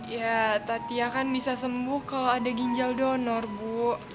ya tatia kan bisa sembuh kalau ada ginjal donor bu